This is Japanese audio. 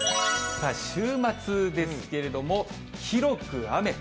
週末ですけれども、広く雨。